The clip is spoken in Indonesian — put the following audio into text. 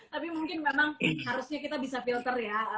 tapi mungkin memang harusnya kita bisa filter ya